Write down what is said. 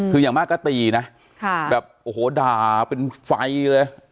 คืออย่างมากพี่นะค่ะแบบโธ่ด่าเป็นไฟเลย